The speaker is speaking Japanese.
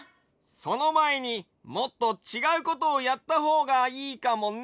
そのまえにもっとちがうことをやったほうがいいかもね。